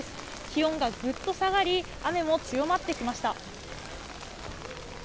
気温がぐっと下がり、雨も強まってきました。